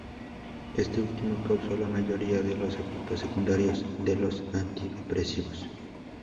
Este último causó la mayoría de los efectos secundarios de los antidepresivos.